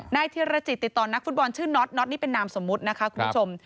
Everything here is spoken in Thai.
ธิรจิตติดต่อนักฟุตบอลชื่อน็อตน็อตนี่เป็นนามสมมุตินะคะคุณผู้ชม